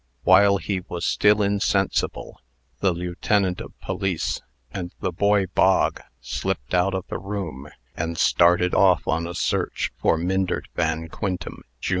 While he was still insensible, the lieutenant of police, and the boy Bog, slipped out of the room, and started off on a search for Myndert Van Quintem, jr.